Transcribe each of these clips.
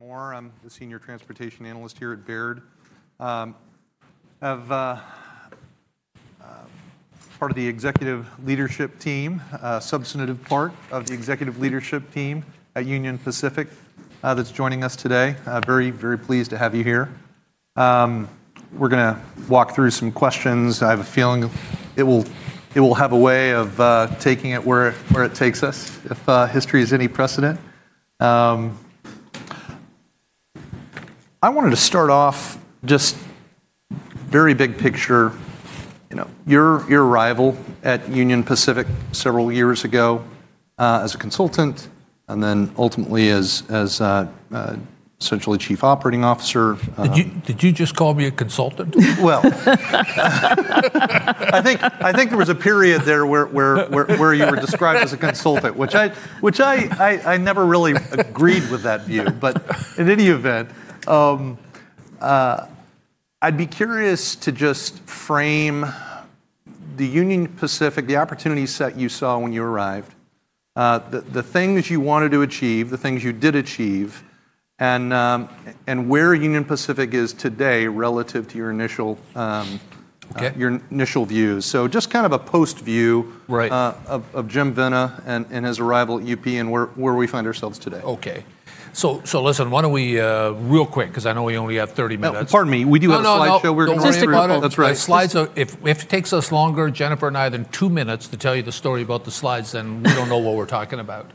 Moore, I'm the senior transportation analyst here at Baird. I'm part of the executive leadership team, a substantive part of the executive leadership team at Union Pacific that's joining us today. Very, very pleased to have you here. We're going to walk through some questions. I have a feeling it will have a way of taking it where it takes us, if history is any precedent. I wanted to start off just very big picture. Your arrival at Union Pacific several years ago as a consultant, and then ultimately as essentially Chief Operating Officer. Did you just call me a consultant? I think there was a period there where you were described as a consultant, which I never really agreed with that view. In any event, I'd be curious to just frame the Union Pacific, the opportunities that you saw when you arrived, the things you wanted to achieve, the things you did achieve, and where Union Pacific is today relative to your initial views. Just kind of a post view of Jim Vena, and his arrival at UP, and where we find ourselves today. OK. So listen, why don't we real quick, because I know we only have 30 minutes. Pardon me. We do have slideshow. No, no, no. We're going right to the bottom. That's right. If it takes us longer, Jennifer and I, than two minutes to tell you the story about the slides, then we do not know what we are talking about.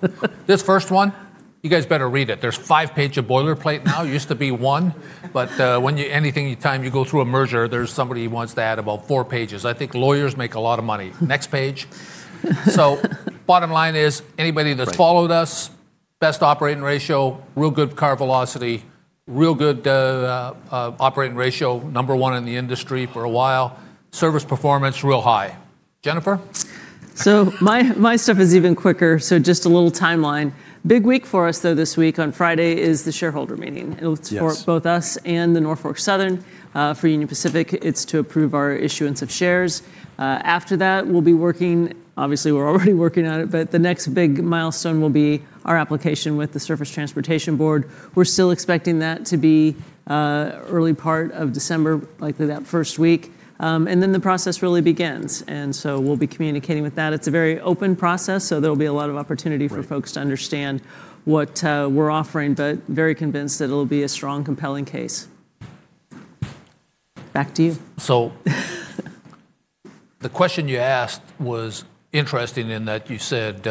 This first one, you guys better read it. There are five pages of boilerplate now. It used to be one. Any time you go through a merger, there is somebody who wants to add about four pages. I think lawyers make a lot of money. Next page. Bottom line is, anybody that has followed us, best operating ratio, real good car velocity, real good operating ratio, number one in the industry for a while, service performance real high. Jennifer? My stuff is even quicker. Just a little timeline. Big week for us, though, this week on Friday is the shareholder meeting. It is for both us and Norfolk Southern. For Union Pacific, it is to approve our issuance of shares. After that, we will be working, obviously, we are already working on it. The next big milestone will be our application with the Surface Transportation Board. We are still expecting that to be early part of December, likely that first week. The process really begins then. We will be communicating with that. It is a very open process, so there will be a lot of opportunity for folks to understand what we are offering. Very convinced that it will be a strong, compelling case. Back to you. The question you asked was interesting in that you said,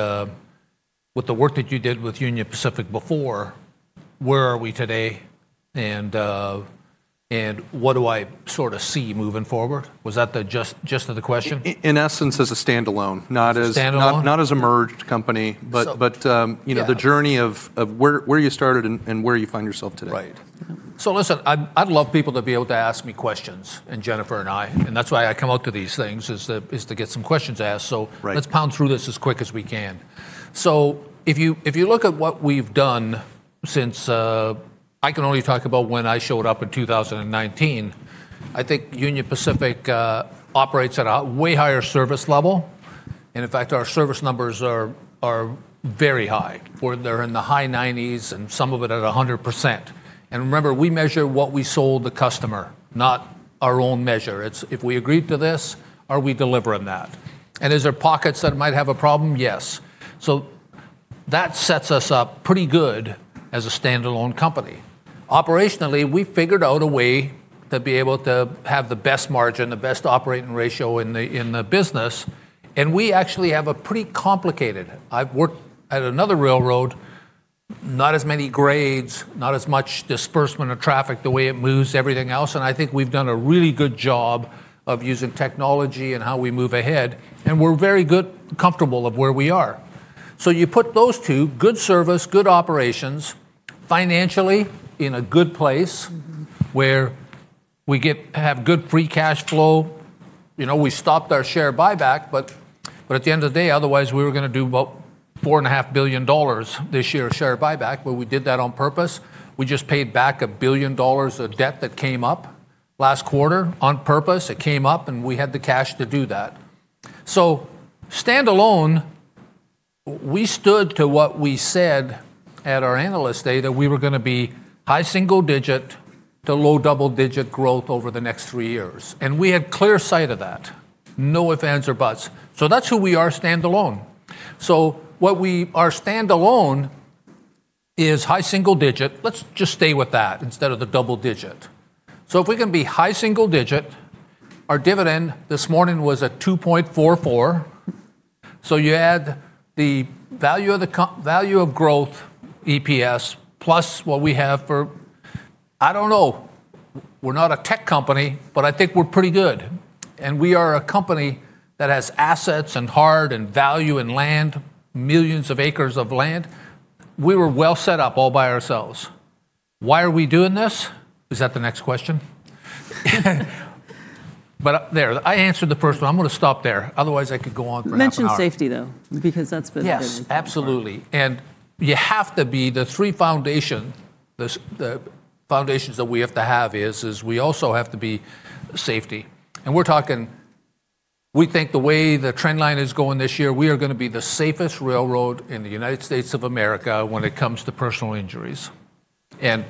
with the work that you did with Union Pacific before, where are we today? What do I sort of see moving forward? Was that just the question? In essence, as a standalone, not as a merged company. The journey of where you started and where you find yourself today. Right. Listen, I'd love people to be able to ask me questions, and Jennifer and I. That's why I come up to these things, is to get some questions asked. Let's pound through this as quick as we can. If you look at what we've done since I can only talk about when I showed up in 2019, I think Union Pacific operates at a way higher service level. In fact, our service numbers are very high. They're in the high 90s, and some of it at 100%. Remember, we measure what we sold the customer, not our own measure. It's, if we agreed to this, are we delivering that? Is there pockets that might have a problem? Yes. That sets us up pretty good as a standalone company. Operationally, we figured out a way to be able to have the best margin, the best operating ratio in the business. We actually have a pretty complicated, I've worked at another railroad, not as many grades, not as much disbursement of traffic the way it moves, everything else. I think we've done a really good job of using technology and how we move ahead. We're very good, comfortable of where we are. You put those two, good service, good operations, financially in a good place, where we have good free cash flow. We stopped our share buyback. At the end of the day, otherwise, we were going to do about $4.5 billion this year of share buyback. We did that on purpose. We just paid back $1 billion of debt that came up last quarter on purpose. It came up, and we had the cash to do that. Standalone, we stood to what we said at our analyst day that we were going to be high-single-digit to low-double-digit growth over the next three years. We had clear sight of that, no ifs, ands, or buts. That is who we are standalone. What we are standalone is high single digit. Let's just stay with that instead of the double digit. If we can be high single digit, our dividend this morning was at $2.44. You add the value of growth, EPS, plus what we have for I don't know. We're not a tech company. I think we're pretty good. We are a company that has assets, and heart, and value, and land, millions of acres of land. We were well set up all by ourselves. Why are we doing this? Is that the next question? There, I answered the first one. I'm going to stop there. Otherwise, I could go on for another question. You mentioned safety, though, because that's been a good one. Yes, absolutely. You have to be the three foundations. The foundations that we have to have is we also have to be safety. We are talking, we think the way the trend line is going this year, we are going to be the safest railroad in the United States of America when it comes to personal injuries. That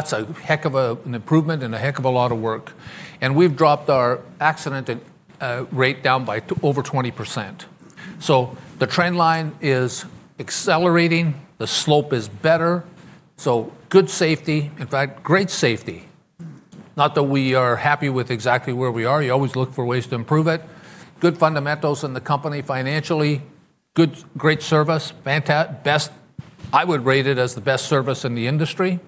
is a heck of an improvement and a heck of a lot of work. We have dropped our accident rate down by over 20%. The trend line is accelerating. The slope is better. Good safety, in fact, great safety. Not that we are happy with exactly where we are. You always look for ways to improve it. Good fundamentals in the company financially. Good, great service. I would rate it as the best service in the industry.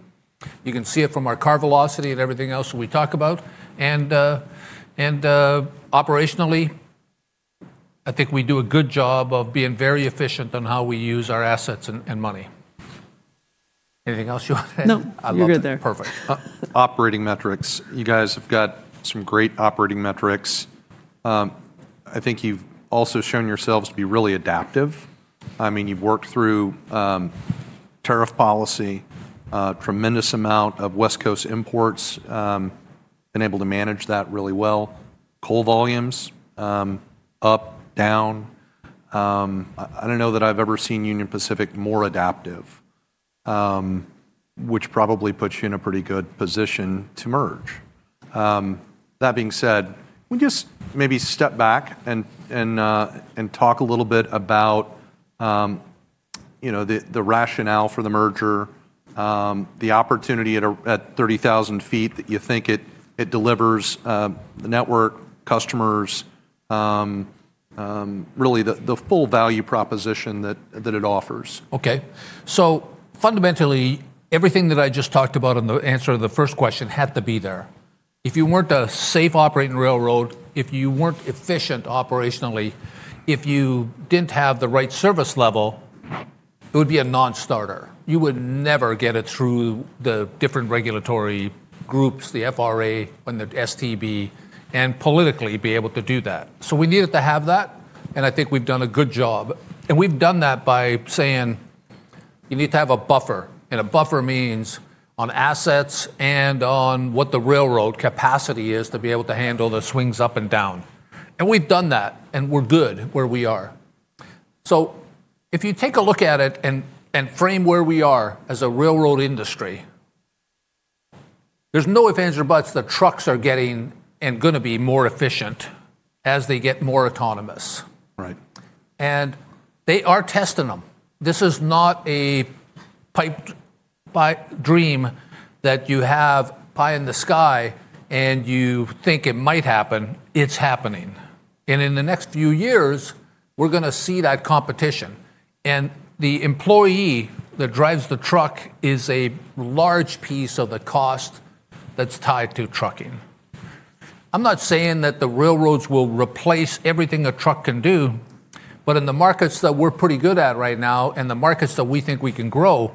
You can see it from our car velocity and everything else we talk about. Operationally, I think we do a good job of being very efficient on how we use our assets and money. Anything else you want to add? No, you're good there. Perfect. Operating metrics. You guys have got some great operating metrics. I think you've also shown yourselves to be really adaptive. I mean, you've worked through tariff policy, a tremendous amount of West Coast imports, been able to manage that really well. Coal volumes, up, down. I don't know that I've ever seen Union Pacific more adaptive, which probably puts you in a pretty good position to merge. That being said, we just maybe step back and talk a little bit about the rationale for the merger, the opportunity at 30,000 ft that you think it delivers, the network, customers, really the full value proposition that it offers. OK. Fundamentally, everything that I just talked about in the answer to the first question had to be there. If you were not a safe operating railroad, if you were not efficient operationally, if you did not have the right service level, it would be a non-starter. You would never get it through the different regulatory groups, the FRA, and the STB, and politically be able to do that. We needed to have that. I think we have done a good job. We have done that by saying you need to have a buffer. A buffer means on assets and on what the railroad capacity is to be able to handle the swings up and down. We have done that. We are good where we are. If you take a look at it and frame where we are as a railroad industry, there are no ifs, ands, or buts. The trucks are getting and going to be more efficient as they get more autonomous. They are testing them. This is not a pipe dream that you have pie in the sky and you think it might happen. It is happening. In the next few years, we are going to see that competition. The employee that drives the truck is a large piece of the cost that is tied to trucking. I am not saying that the railroads will replace everything a truck can do. In the markets that we are pretty good at right now, and the markets that we think we can grow,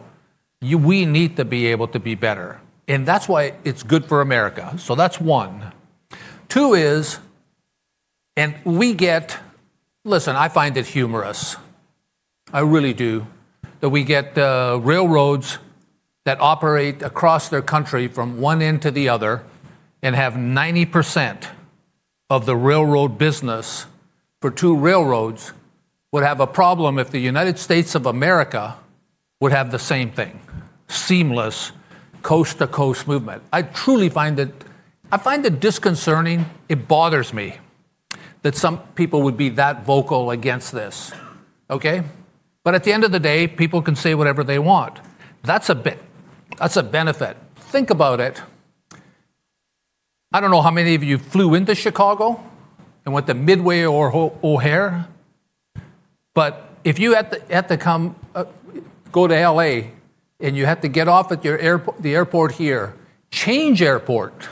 we need to be able to be better. That is why it is good for America. That is one. Two is, and we get, listen, I find it humorous. I really do that we get railroads that operate across their country from one end to the other and have 90% of the railroad business for two railroads would have a problem if the United States of America would have the same thing, seamless coast-to-coast movement. I truly find it, I find it disconcerting. It bothers me that some people would be that vocal against this. OK? At the end of the day, people can say whatever they want. That's a bit. That's a benefit. Think about it. I don't know how many of you flew into Chicago and went to Midway or O'Hare. If you had to go to L.A. and you had to get off at the airport here, change airport,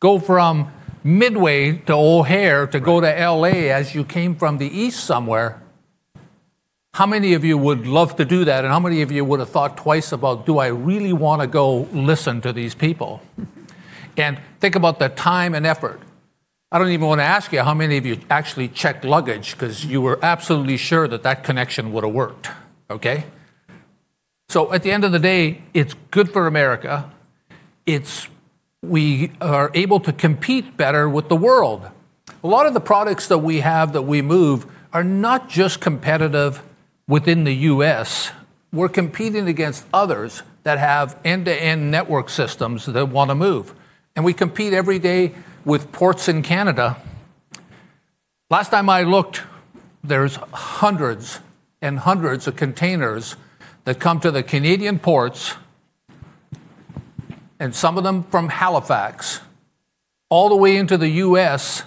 go from Midway to O'Hare to go to L.A. as you came from the east somewhere, how many of you would love to do that? How many of you would have thought twice about, do I really want to go listen to these people? Think about the time and effort. I do not even want to ask you how many of you actually checked luggage because you were absolutely sure that that connection would have worked. OK? At the end of the day, it is good for America. We are able to compete better with the world. A lot of the products that we have that we move are not just competitive within the U.S. We are competing against others that have end-to-end network systems that want to move. We compete every day with ports in Canada. Last time I looked, there's hundreds and hundreds of containers that come to the Canadian ports, and some of them from Halifax, all the way into the U.S.,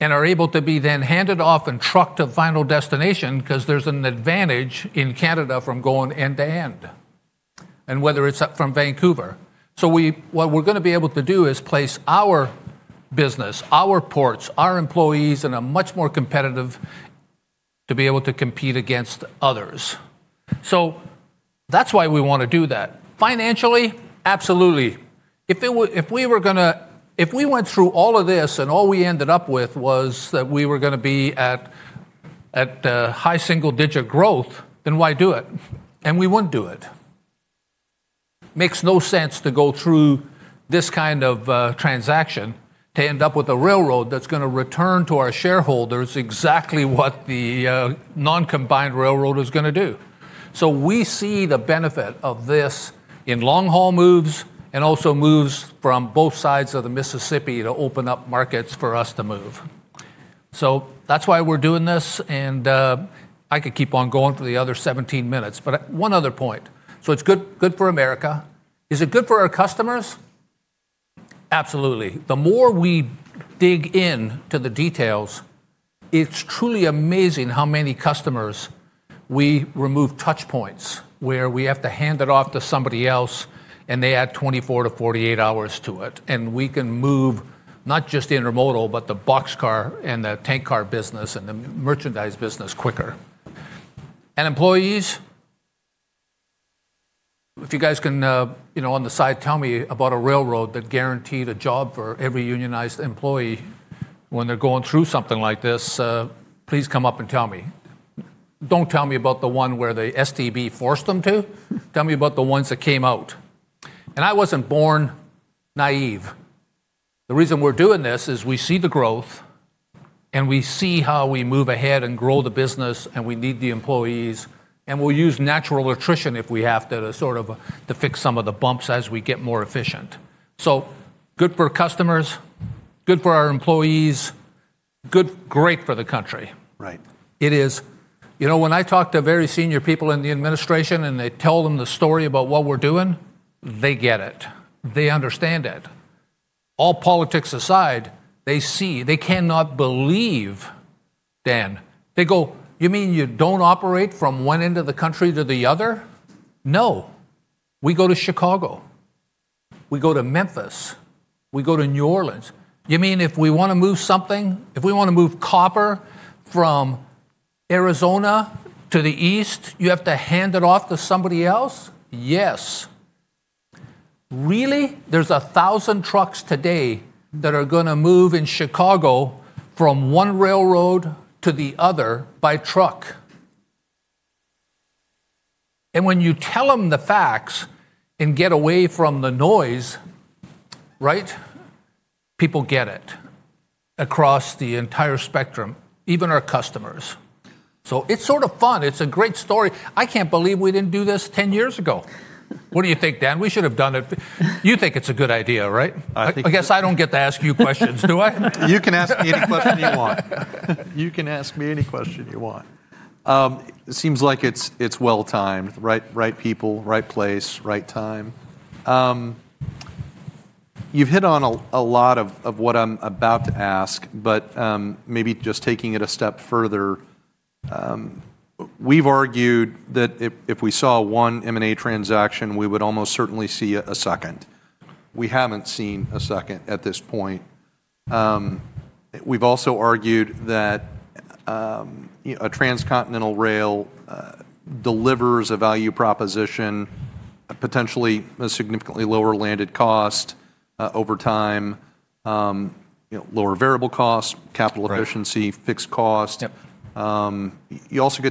and are able to be then handed off and trucked to final destination because there's an advantage in Canada from going end-to-end, and whether it's from Vancouver. What we're going to be able to do is place our business, our ports, our employees in a much more competitive position to be able to compete against others. That is why we want to do that. Financially, absolutely. If we were going to, if we went through all of this and all we ended up with was that we were going to be at high single digit growth, then why do it? We wouldn't do it. Makes no sense to go through this kind of transaction to end up with a railroad that's going to return to our shareholders exactly what the non-combined railroad is going to do. We see the benefit of this in long-haul moves and also moves from both sides of the Mississippi to open up markets for us to move. That is why we're doing this. I could keep on going for the other 17 minutes. One other point. It is good for America. Is it good for our customers? Absolutely. The more we dig into the details, it's truly amazing how many customers we remove touch points where we have to hand it off to somebody else, and they add 24 hours-48 hours to it. We can move not just intermodal, but the boxcar and the tank car business and the merchandise business quicker. And employees? If you guys can on the side, tell me about a railroad that guaranteed a job for every unionized employee when they're going through something like this. Please come up and tell me. Do not tell me about the one where the STB forced them to. Tell me about the ones that came out. I was not born naive. The reason we're doing this is we see the growth, and we see how we move ahead and grow the business, and we need the employees. We will use natural attrition if we have to sort of fix some of the bumps as we get more efficient. Good for customers, good for our employees, great for the country. It is, you know, when I talk to very senior people in the administration, and I tell them the story about what we're doing, they get it. They understand it. All politics aside, they see they cannot believe, Dan. They go, you mean you do not operate from one end of the country to the other? No. We go to Chicago. We go to Memphis. We go to New Orleans. You mean if we want to move something, if we want to move copper from Arizona to the east, you have to hand it off to somebody else? Yes. Really? There's a thousand trucks today that are going to move in Chicago from one railroad to the other by truck. When you tell them the facts and get away from the noise, right, people get it across the entire spectrum, even our customers. It is sort of fun. It is a great story. I cannot believe we did not do this 10 years ago. What do you think, Dan? We should have done it. You think it is a good idea, right? I guess I don't get to ask you questions, do I? You can ask me any question you want. It seems like it's well-timed, right people, right place, right time. You've hit on a lot of what I'm about to ask. Maybe just taking it a step further, we've argued that if we saw one M&A transaction, we would almost certainly see a second. We haven't seen a second at this point. We've also argued that a transcontinental rail delivers a value proposition, potentially a significantly lower landed cost over time, lower variable cost, capital efficiency, fixed cost. You also go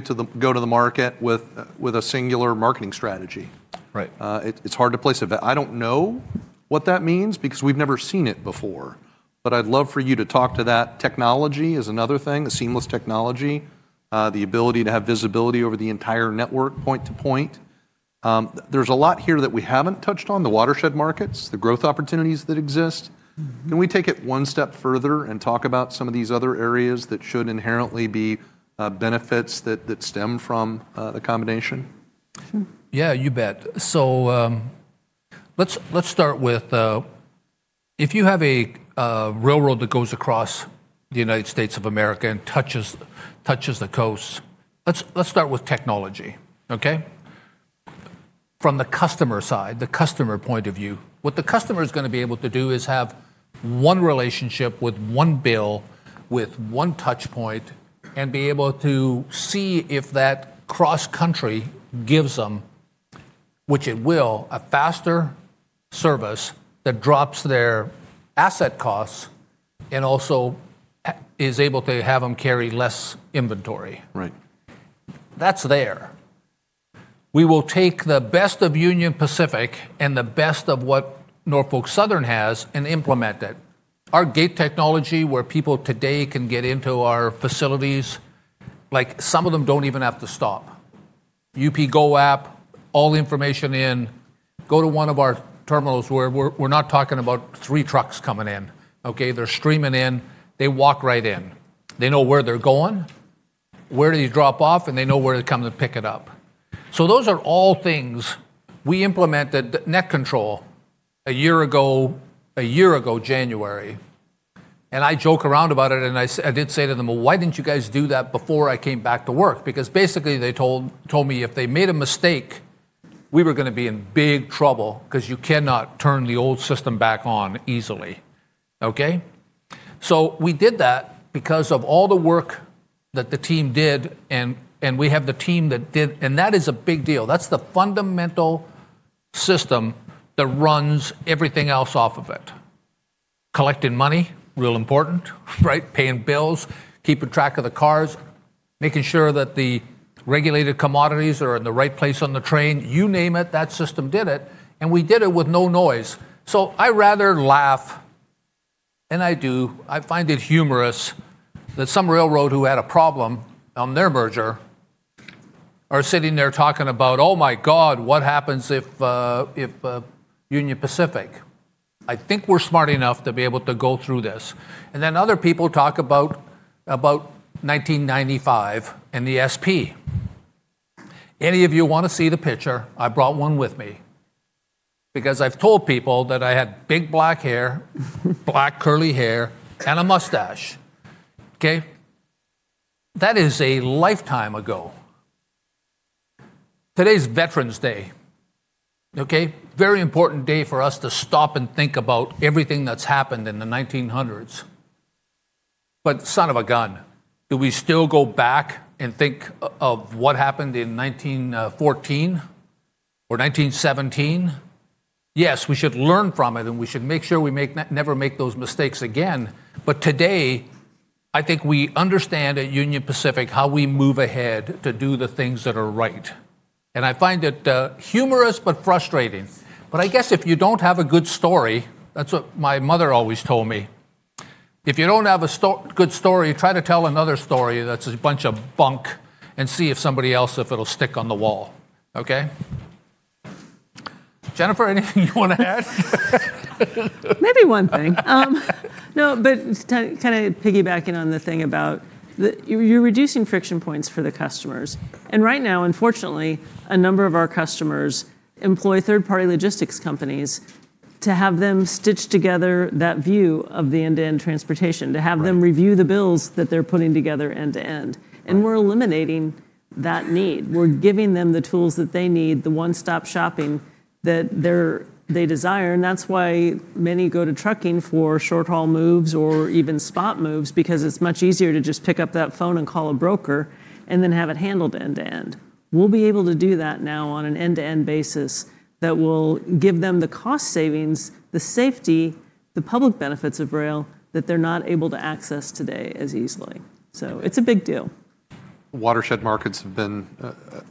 to the market with a singular marketing strategy. It's hard to place a I don't know what that means because we've never seen it before. I'd love for you to talk to that. Technology is another thing, the seamless technology, the ability to have visibility over the entire network point to point. There is a lot here that we have not touched on, the watershed markets, the growth opportunities that exist. Can we take it one step further and talk about some of these other areas that should inherently be benefits that stem from the combination? Yeah, you bet. Let's start with if you have a railroad that goes across the United States of America and touches the coast. Let's start with technology. OK? From the customer side, the customer point of view, what the customer is going to be able to do is have one relationship with one bill, with one touch point, and be able to see if that cross-country gives them, which it will, a faster service that drops their asset costs and also is able to have them carry less inventory. That's there. We will take the best of Union Pacific and the best of what Norfolk Southern has and implement it. Our gate technology, where people today can get into our facilities, like some of them do not even have to stop. UP Go app, all the information in, go to one of our terminals where we're not talking about three trucks coming in. OK? They're streaming in. They walk right in. They know where they're going, where do they drop off, and they know where to come to pick it up. Those are all things we implemented net control a year ago, January. I joke around about it. I did say to them, why didn't you guys do that before I came back to work? Basically, they told me if they made a mistake, we were going to be in big trouble because you cannot turn the old system back on easily. OK? We did that because of all the work that the team did. We have the team that did. That is a big deal. That's the fundamental system that runs everything else off of it, collecting money, real important, paying bills, keeping track of the cars, making sure that the regulated commodities are in the right place on the train, you name it, that system did it. We did it with no noise. I rather laugh, and I do. I find it humorous that some railroad who had a problem on their merger are sitting there talking about, oh my god, what happens if Union Pacific? I think we're smart enough to be able to go through this. Other people talk about 1995 and the SP. Any of you want to see the picture? I brought one with me because I've told people that I had big black hair, black curly hair, and a mustache. OK? That is a lifetime ago. Today's Veterans Day. OK? Very important day for us to stop and think about everything that's happened in the 1900s. But son of a gun, do we still go back and think of what happened in 1914 or 1917? Yes, we should learn from it, and we should make sure we never make those mistakes again. But today, I think we understand at Union Pacific how we move ahead to do the things that are right. And I find it humorous but frustrating. But I guess if you don't have a good story, that's what my mother always told me. If you don't have a good story, try to tell another story that's a bunch of bunk and see if somebody else if it'll stick on the wall. OK? Jennifer, anything you want to add? Maybe one thing. No. Kind of piggybacking on the thing about you're reducing friction points for the customers. Right now, unfortunately, a number of our customers employ third-party logistics companies to have them stitch together that view of the end-to-end transportation, to have them review the bills that they're putting together end-to-end. We're eliminating that need. We're giving them the tools that they need, the one-stop shopping that they desire. That is why many go to trucking for short-haul moves or even spot moves, because it's much easier to just pick up that phone and call a broker and then have it handled end-to-end. We'll be able to do that now on an end-to-end basis that will give them the cost savings, the safety, the public benefits of rail that they're not able to access today as easily. It is a big deal. Watershed markets have been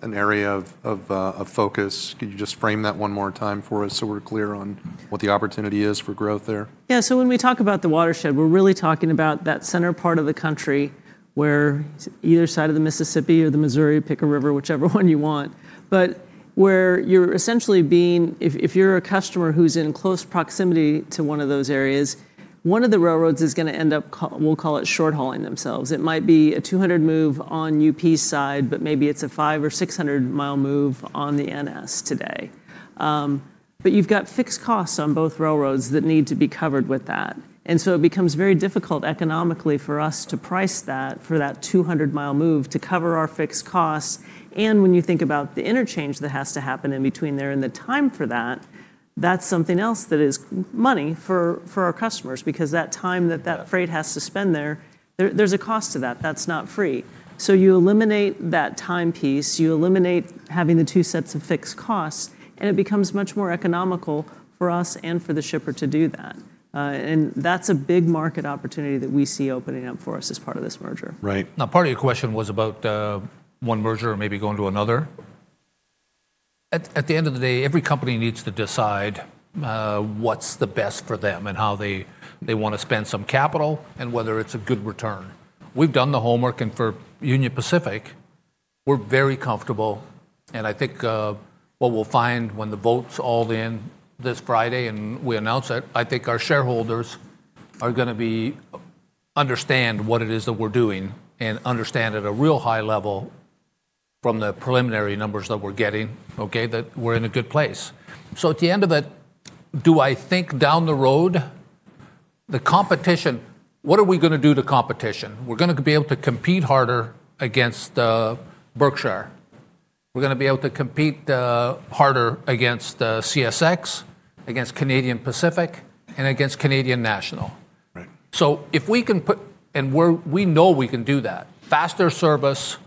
an area of focus. Could you just frame that one more time for us so we're clear on what the opportunity is for growth there? Yeah. When we talk about the watershed, we're really talking about that center part of the country where either side of the Mississippi or the Missouri, pick a river, whichever one you want, but where you're essentially being, if you're a customer who's in close proximity to one of those areas, one of the railroads is going to end up, we'll call it, short-hauling themselves. It might be a 200 mi move on UP's side, but maybe it's a 500 mi or 600 mi move on the NS today. You've got fixed costs on both railroads that need to be covered with that. It becomes very difficult economically for us to price that for that 200 mi move to cover our fixed costs. When you think about the interchange that has to happen in between there and the time for that, that's something else that is money for our customers because that time that that freight has to spend there, there's a cost to that. That's not free. You eliminate that time piece. You eliminate having the two sets of fixed costs. It becomes much more economical for us and for the shipper to do that. That's a big market opportunity that we see opening up for us as part of this merger. Right. Now, part of your question was about one merger or maybe going to another. At the end of the day, every company needs to decide what's the best for them and how they want to spend some capital and whether it's a good return. We've done the homework. And for Union Pacific, we're very comfortable. I think what we'll find when the votes all in this Friday and we announce it, I think our shareholders are going to understand what it is that we're doing and understand at a real high level from the preliminary numbers that we're getting that we're in a good place. At the end of it, do I think down the road the competition, what are we going to do to competition? We're going to be able to compete harder against Berkshire. We're going to be able to compete harder against CSX, against Canadian Pacific, and against Canadian National. If we can put, and we know we can do that, faster service,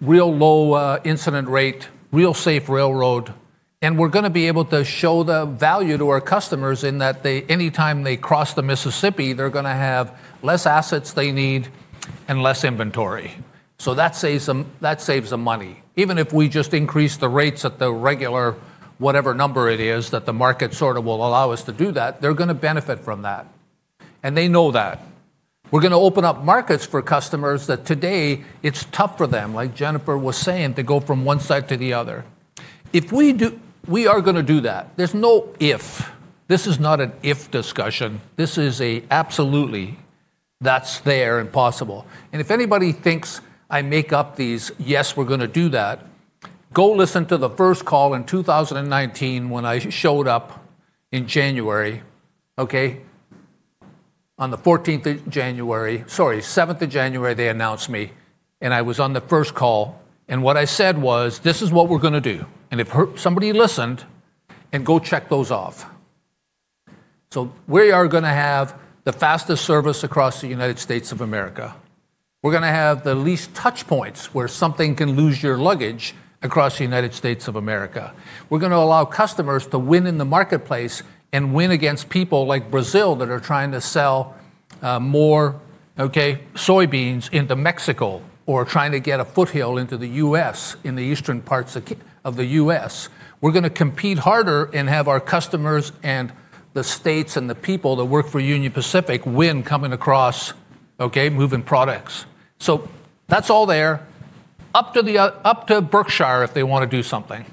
real low incident rate, real safe railroad. We're going to be able to show the value to our customers in that any time they cross the Mississippi, they're going to have fewer assets they need and less inventory. That saves them money. Even if we just increase the rates at the regular whatever number it is that the market sort of will allow us to do that, they're going to benefit from that. They know that. We're going to open up markets for customers that today it's tough for them, like Jennifer was saying, to go from one side to the other. We are going to do that. There's no if. This is not an if discussion. This is an absolutely that's there and possible. If anybody thinks I make up these, yes, we're going to do that, go listen to the first call in 2019 when I showed up in January. On the 14th January, sorry, 7th January, they announced me. I was on the first call. What I said was, this is what we're going to do. If somebody listened, go check those off. We are going to have the fastest service across the United States of America. We are going to have the least touch points where something can lose your luggage across the United States of America. We're going to allow customers to win in the marketplace and win against people like Brazil that are trying to sell more soybeans into Mexico or trying to get a foothill into the U.S. in the eastern parts of the U.S. We're going to compete harder and have our customers and the states and the people that work for Union Pacific win coming across moving products. That is all there. Up to Berkshire if they want to do something.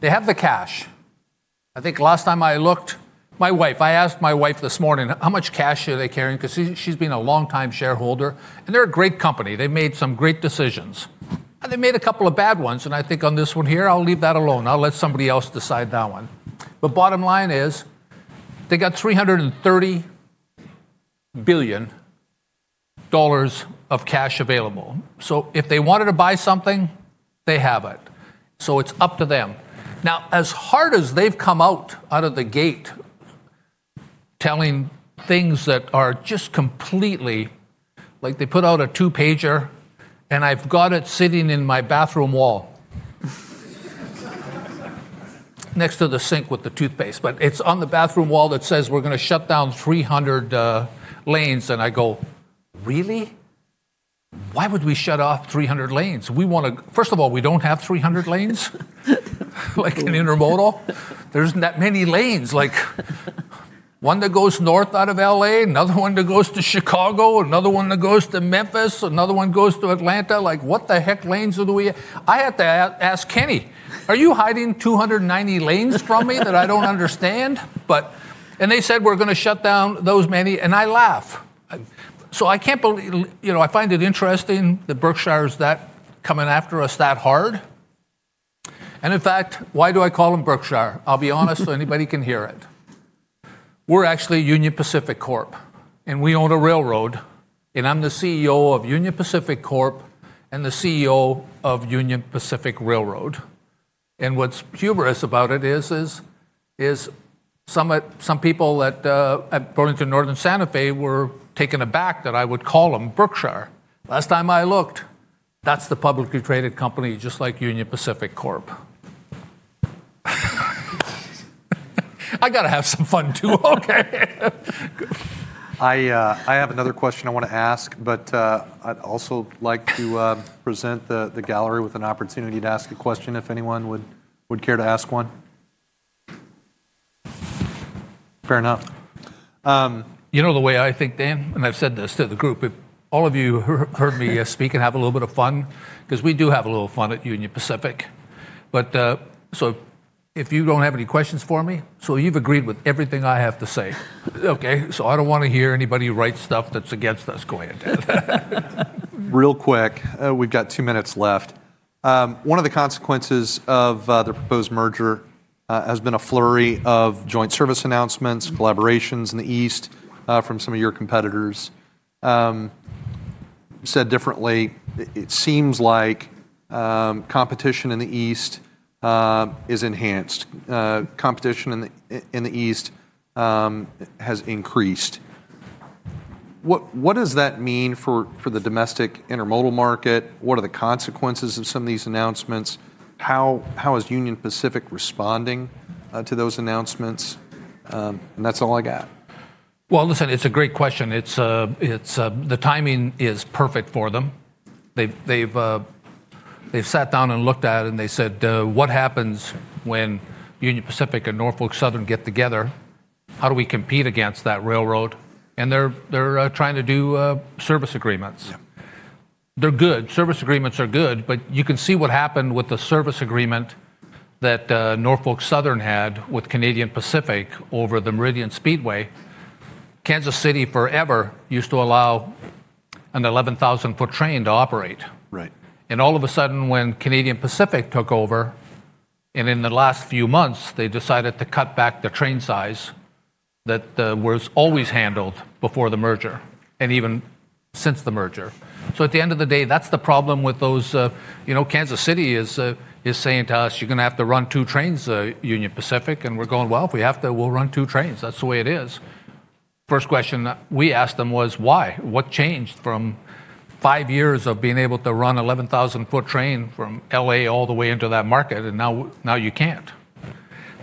They have the cash. I think last time I looked, my wife, I asked my wife this morning, how much cash are they carrying? Because she's been a longtime shareholder. They are a great company. They made some great decisions. They made a couple of bad ones. I think on this one here, I'll leave that alone. I'll let somebody else decide that one. Bottom line is they got $330 billion of cash available. If they wanted to buy something, they have it. It is up to them. As hard as they have come out of the gate telling things that are just completely like they put out a two-pager, and I have got it sitting in my bathroom wall next to the sink with the toothpaste. It is on the bathroom wall that says we are going to shut down 300 lanes. I go, really? Why would we shut off 300 lanes? First of all, we do not have 300 lanes like in Intermodal. There is not that many lanes, like one that goes north out of L.A., another one that goes to Chicago, another one that goes to Memphis, another one goes to Atlanta. Like, what the heck lanes do we have? I had to ask Kenny, are you hiding 290 lanes from me that I do not understand? They said we are going to shut down those many. I laugh. I find it interesting that Berkshire is coming after us that hard. In fact, why do I call them Berkshire? I will be honest so anybody can hear it. We are actually Union Pacific Corp and we own a railroad. I am the CEO of Union Pacific Corp and the CEO of Union Pacific Railroad. What is humorous about it is some people at Burlington Northern Santa Fe were taken aback that I would call them Berkshire. Last time I looked, that is the publicly traded company just like Union Pacific Corp. I have to have some fun too. OK. I have another question I want to ask, but I'd also like to present the gallery with an opportunity to ask a question if anyone would care to ask one. Fair enough. You know the way I think, Dan, and I've said this to the group, if all of you who heard me speak and have a little bit of fun, because we do have a little fun at Union Pacific. If you don't have any questions for me, you've agreed with everything I have to say. OK? I don't want to hear anybody write stuff that's against us going into it. Real quick, we've got two minutes left. One of the consequences of the proposed merger has been a flurry of joint service announcements, collaborations in the East from some of your competitors. Said differently, it seems like competition in the East is enhanced. Competition in the East has increased. What does that mean for the domestic intermodal market? What are the consequences of some of these announcements? How is Union Pacific responding to those announcements? That's all I got. It is a great question. The timing is perfect for them. They have sat down and looked at it. They said, what happens when Union Pacific and Norfolk Southern get together? How do we compete against that railroad? They are trying to do service agreements. They are good. Service agreements are good. You can see what happened with the service agreement that Norfolk Southern had with Canadian Pacific over the Meridian Speedway. Kansas City forever used to allow an 11,000-foot train to operate. All of a sudden, when Canadian Pacific took over, and in the last few months, they decided to cut back the train size that was always handled before the merger and even since the merger. At the end of the day, that is the problem with those. Kansas City is saying to us, you are going to have to run two trains at Union Pacific. We are going, if we have to, we will run two trains. That is the way it is. The first question we asked them was, why? What changed from five years of being able to run an 11,000-foot train from L.A. all the way into that market, and now you cannot?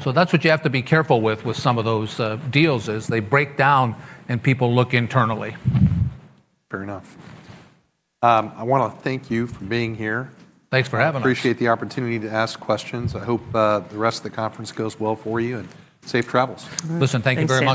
That is what you have to be careful with with some of those deals, is they break down and people look internally. Fair enough. I want to thank you for being here. Thanks for having us. Appreciate the opportunity to ask questions. I hope the rest of the conference goes well for you. Safe travels. Listen, thank you very much.